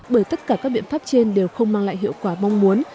bởi tất cả các biện pháp trên đều không mang lại hiệu quả mong muốn